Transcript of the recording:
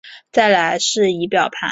再来是仪表板